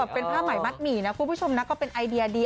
เป็นผ้าใหม่มัดหมี่นะคุณผู้ชมนะก็เป็นไอเดียดี